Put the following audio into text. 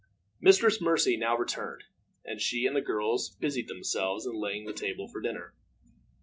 Mistress Mercy now returned, and she and the girls busied themselves in laying the table for dinner.